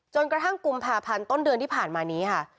จนกระทั่งกุมภาพันธ์ต้นเดือนที่ผ่านมานี้ค่ะ